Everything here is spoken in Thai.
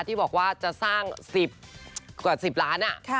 ที่บอกว่าจะสร้างกว่า๒๐๑๐ล้านคัน